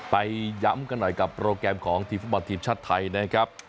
ไปย้ำกันหน่อยกับโปรแกรมของทีมฟุตบอลทีมชาติไทยนะครับ